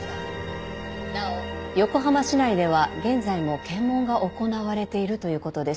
なお横浜市内では現在も検問が行われているということです。